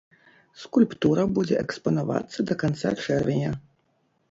Скульптура будзе экспанавацца да канца чэрвеня.